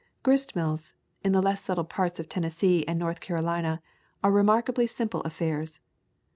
Grist mills, in the less settled parts of Tennes see and North Carolina, are remarkably simple affairs.